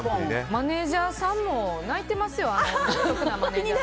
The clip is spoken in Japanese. マネジャーさんも泣いてますよ。